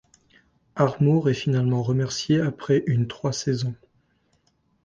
Armour est finalement remercié après une trois saisons.